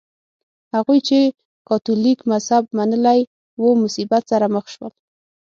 هغوی چې کاتولیک مذهب منلی و مصیبت سره مخ شول.